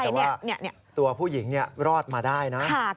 แต่ว่าตัวผู้หญิงรอดมาได้นะ